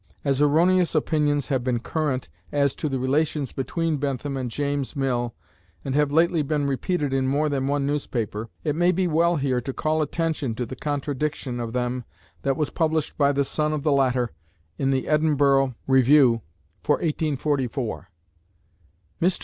As erroneous opinions have been current as to the relations between Bentham and James Mill and have lately been repeated in more than one newspaper, it may be well here to call attention to the contradiction of them that was published by the son of the latter in "The Edinburgh Review" for 1844. "Mr.